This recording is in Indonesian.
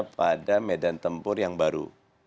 pada medan tempur yang baru